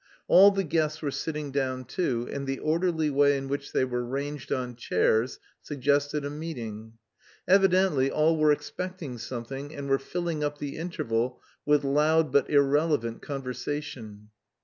All the guests were sitting down too, and the orderly way in which they were ranged on chairs suggested a meeting. Evidently all were expecting something and were filling up the interval with loud but irrelevant conversation.